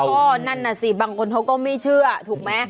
ก็นั่นน่ะสิบางคนเขาก็ไม่เชื่อถูกไหม